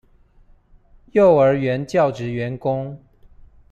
幼兒園教職員工